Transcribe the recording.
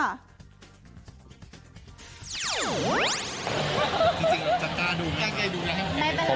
จริงจัดจ้านดูแกใกล้ดูนะให้มันดู